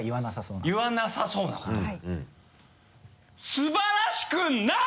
「素晴らしくない！」